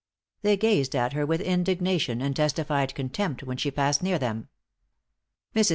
They gazed at her with indignation, and testified contempt when she passed near them. Mrs.